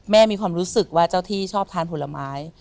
มีความรู้สึกว่าเจ้าที่ชอบทานผลไม้